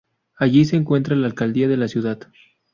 Allí se encuentra la Alcaldía de la ciudad.